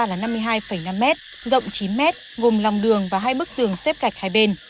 là năm mươi hai năm m rộng chín m gồm lòng đường và hai bức tường xếp gạch hai bên